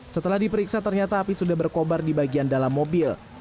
setelah diperiksa ternyata api sudah berkobar di bagian dalam mobil